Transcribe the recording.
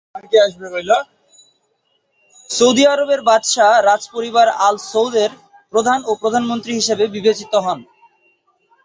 Saudi আরবের বাদশাহ রাজ পরিবার আল সৌদের প্রধান ও প্রধানমন্ত্রী হিসেবে বিবেচিত হন।